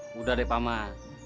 sudah deh pak man